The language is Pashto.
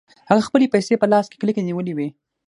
هغه خپلې پيسې په لاس کې کلکې نيولې وې.